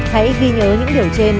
hãy ghi nhớ những điều trên